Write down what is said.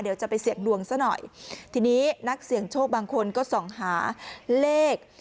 เดี๋ยวจะไปเสี่ยงดวงซะหน่อยทีนี้นักเสี่ยงโชคบางคนก็ส่องหาเลข